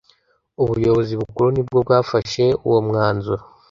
ubuyobozi bukuru nibwo bwafashe uwo mwanzuro